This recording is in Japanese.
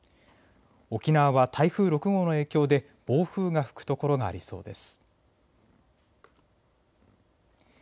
沖縄は台風６号の影響で暴風が吹く所がありそうです。